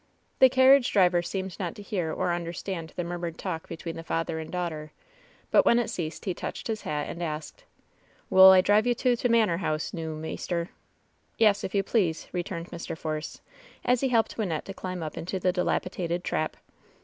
The carriage driver seemed not to hear or understand the murmured talk between the father and daughter, but when it ceased he touched his hat and asked : "Wull I drive you to t' manor house, noo, maister ?" "Yes, if you please," returned Mr. Force, as he helped Wynnette to climb up into the dilapidated "trap."